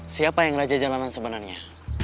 siapa yang raja jalanan sebenarnya